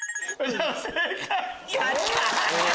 やった！